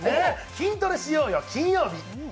筋トレしようよ金曜日。